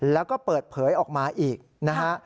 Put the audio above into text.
แล้วก็เปิดเผยออกมาอีกนะฮะ